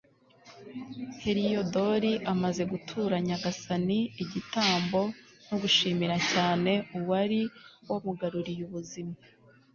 heliyodori amaze gutura nyagasani igitambo no gushimira cyane uwari wamugaruriye ubuzima